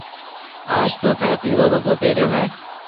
آج تو ٿَي پِيڙو وگو پيريو هيَ۔